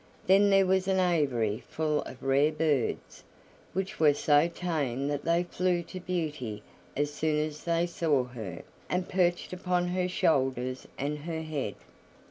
Then there was an aviary full of rare birds, which were so tame that they flew to Beauty as soon as they saw her, and perched upon her shoulders and her head.